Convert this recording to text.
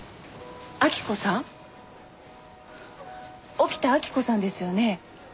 沖田晃子さんですよね？